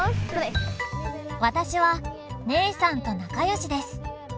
私は姉さんと仲よしです。